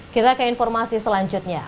kita ke informasi selanjutnya